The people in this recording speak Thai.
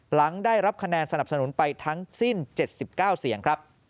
หลังได้รับคะแนนสนับสนุนไปทั้งสิ้น๗๙เสียงครับ